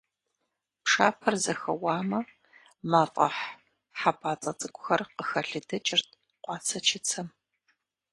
Пшапэр зэхэуамэ, мафӀэхь хьэпӀацӀэ цӀыкӀухэр къыхэлыдыкӀырт къуацэ-чыцэм.